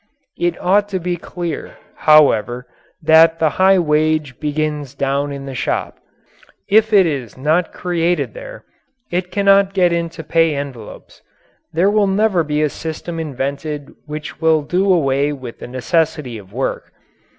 It ought to be clear, however, that the high wage begins down in the shop. If it is not created there it cannot get into pay envelopes. There will never be a system invented which will do away with the necessity of work.